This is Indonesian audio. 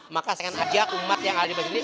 maka saya akan ajak umat yang ada di sini